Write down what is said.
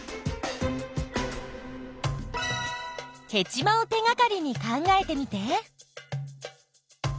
ヘチマを手がかりに考えてみて。